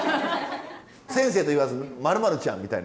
先生と言わず「○○ちゃん」みたいな。